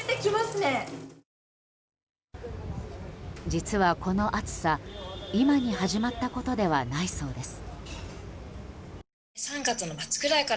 実は、この暑さ今に始まったことではないそうです。